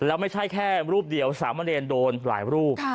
แล้วไม่ใช่แค่รูปเดียวสามเณรโดนหลายรูป